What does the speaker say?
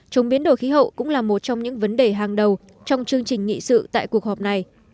chống biến đổi khí hậu cũng là một trong những vấn đề hàng đầu trong chương trình nghị sự tại cuộc họp này